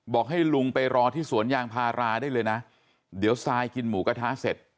บอกให้ลุงไปรอที่สวนยางพาราได้เลยนะเดี๋ยวซายกินหมูกระทะเสร็จ